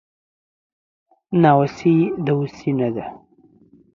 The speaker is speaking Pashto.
ناوسي دووسي نده